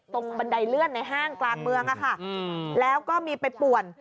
บันไดเลื่อนในห้างกลางเมืองอะค่ะแล้วก็มีไปป่วน